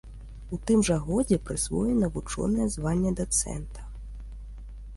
У тым жа годзе прысвоена вучонае званне дацэнта.